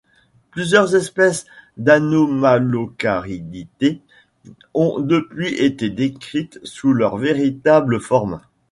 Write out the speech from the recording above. Plusieurs espèces d'anomalocarididés ont depuis été décrites sous leur véritable forme.